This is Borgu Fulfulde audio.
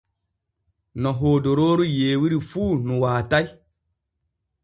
No hodorooru yeewiri fu nu waatay.